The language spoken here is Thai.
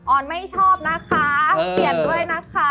ออนไม่ชอบนะคะเปลี่ยนด้วยนะคะ